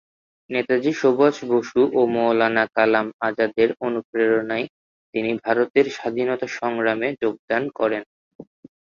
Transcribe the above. নেতাজি সুভাষ বসু ও মৌলানা কালাম আজাদের অনুপ্রেরণায় তিনি ভারতের স্বাধীনতা সংগ্রামে যোগদান করেন।